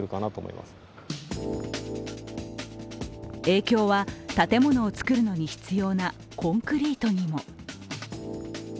影響は建物をつくるのに必要なコンクリートにも。